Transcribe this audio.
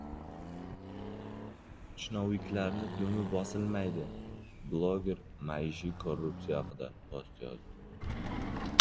«Chinovniklarning dumi bosilmaydi». Bloger maishiy korrupsiya haqida post yozdi